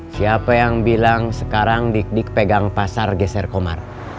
siapa yang bilang sekarang dikdik pegang pasar geser komar